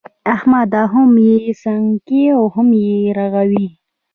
احمده! هم يې سڼکې او هم يې رغوې.